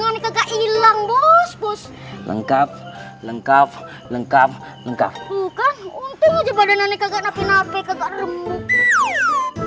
ganteng kagak ilang bos bos lengkap lengkap lengkap lengkap untuk badan aneh kagak nafih nafih kagak remuk